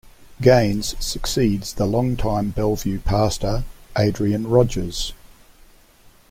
Gaines succeeds the longtime Bellevue pastor Adrian Rogers.